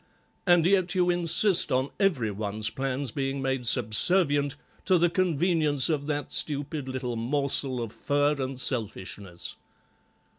And yet you insist on every one's plans being made subservient to the convenience of that stupid little morsel of fur and selfishness."